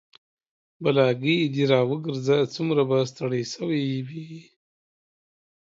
بلاګي د راوګرځه سومره به ستړى شوى وي